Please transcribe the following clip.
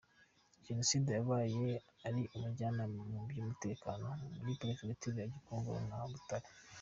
Jenoside yabaye ari umujyanama mu by’umutekano muri Perefegitura ya Gikongoro na Butare.